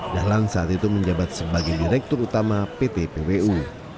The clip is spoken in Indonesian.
dahlan saat itu menjabat sebagai direktur utama pt pwu